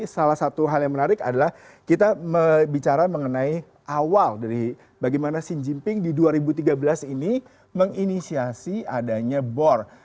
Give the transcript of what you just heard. salah satu hal yang menarik adalah kita bicara mengenai awal dari bagaimana xi jinping di dua ribu tiga belas ini menginisiasi adanya bor